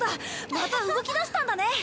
また動き出したんだね！